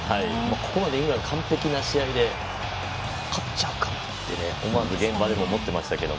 ここまでイングランド完璧な試合で勝っちゃうかもって思わず現場でも思ってましたが。